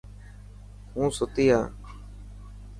هون ستي هان.